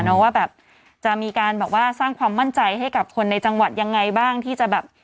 ว่าแบบจะมีการแบบว่าสร้างความมั่นใจให้กับคนในจังหวัดยังไงบ้างที่จะแบบ